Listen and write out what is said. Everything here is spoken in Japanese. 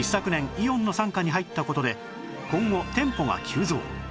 イオンの傘下に入った事で今後店舗が急増